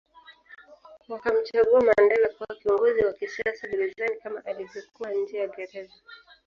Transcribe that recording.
Wakamchagua Mandela kuwa kiongozi wa kisiasa gerezani kama alivyokuwa nje ya Gereza